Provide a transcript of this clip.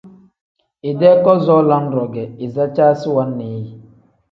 Idee kazoo lam-ro ge izicaasi wannii yi.